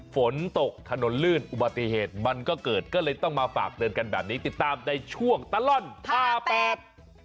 ฝนตกถนนลื่นอุบัติเหตุมันก็เกิดก็เลยต้องมาฝากเตือนกันแบบนี้ติดตามในช่วงตลอดท่าแปด